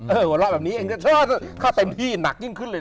หัวเราะแบบนี้เองถ้าเต็มที่หนักยิ่งขึ้นเลยนะ